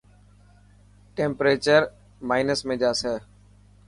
ٽيمپريڄر مائنس ۾ جاسي.